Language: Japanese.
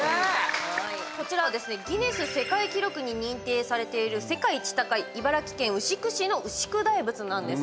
こちらはギネス世界記録に認定されている世界一高い茨城県牛久市の牛久大仏なんです。